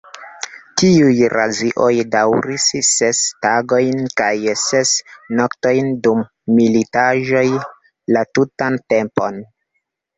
Tiuj razioj daŭris ses tagojn kaj ses noktojn, kun militaĵoj la tutan tempon.